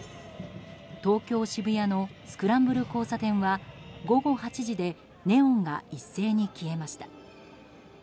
東京・渋谷のスクランブル交差点は午後８時でネオンが一斉に消えました。